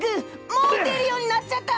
もう打てるようになっちゃった！